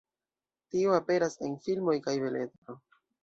Tio aperas en filmoj kaj beletro.